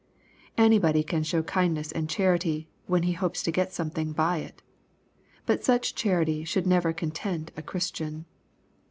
Anybody can show kindness and charity, when he hopes to gain something by it But such charity should never content a Christian.